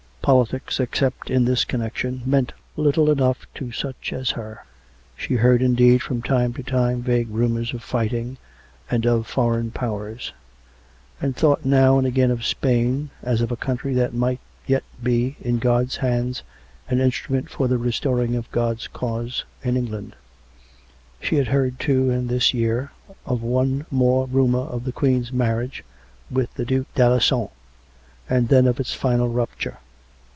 Politics, except in this connection, meant little enough to such as her. She heard, indeed, from time to time vague rumours of fighting, and of foreign Powers; and thought now and again of Spain, as of a country that might yet be, in God's hand, an instrument for the restoring of God's cause in England; she had heard, too, in this year, of one more rumour of the Queen's marriage with the Duke 201 COME RACK! COME ROPE! 205 d'Alen9on, and then of its final rupture.